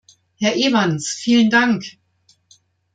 Herr Evans, vielen Dank.